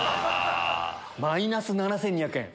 マイナス７２００円。